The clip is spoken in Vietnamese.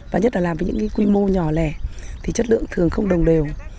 và nhất là làm với những cái quy mô nhỏ lẻ thì chất lượng thường không đồng đều